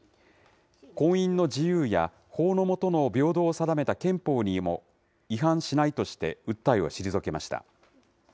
婚姻の自由や法の下の平等を定めた憲法にも違反しないとして、訴えを退けました。